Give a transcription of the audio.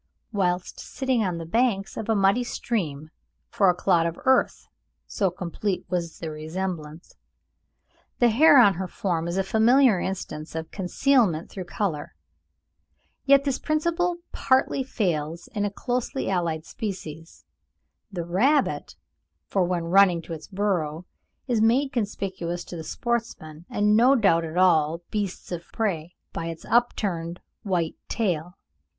whilst sitting on the banks of a muddy stream, for a clod of earth, so complete was the resemblance. The hare on her form is a familiar instance of concealment through colour; yet this principle partly fails in a closely allied species, the rabbit, for when running to its burrow, it is made conspicuous to the sportsman, and no doubt to all beasts of prey, by its upturned white tail.